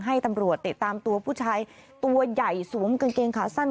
ให้ตำรวจติดตามตัวผู้ชายตัวใหญ่สวมกางเกงขาสั้น